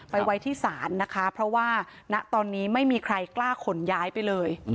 ไว้ที่ศาลนะคะเพราะว่าณตอนนี้ไม่มีใครกล้าขนย้ายไปเลย